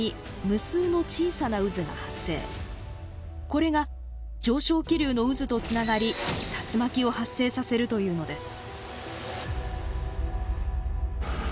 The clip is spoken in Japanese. これが上昇気流の渦とつながり竜巻を発生させるというのです。